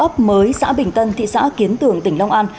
ấp mới xã bình tân thị xã kiến tường tỉnh long an